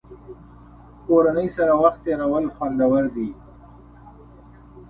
کورنۍ سره وخت تېرول خوندور دي.